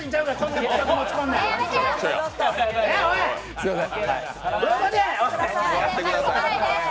すみません。